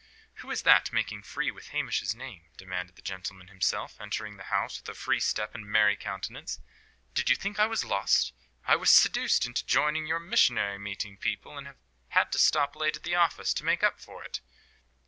"Who is that, making free with Hamish's name?" demanded that gentleman himself, entering the house with a free step and merry countenance. "Did you think I was lost? I was seduced into joining your missionary meeting people, and have had to stop late at the office, to make up for it."